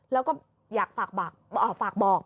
แล้วก็อยากฝากบอก